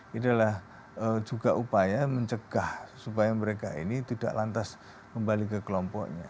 ini adalah juga upaya mencegah supaya mereka ini tidak lantas kembali ke kelompoknya